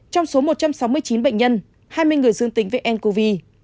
trong số một trăm sáu mươi chín bệnh nhân hai mươi người dương tính với ncov